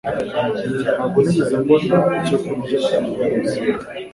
Ntabwo nigeze mbona icyo kurya umunsi wose